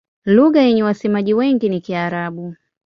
Lugha yenye wasemaji wengi ni Kiarabu.